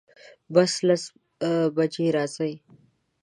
بس لس بجی راځي